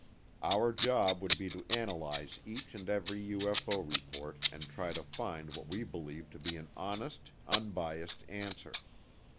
Our job would be to analyze each and every UFO report and try to find what we believed to be an honest, unbiased answer.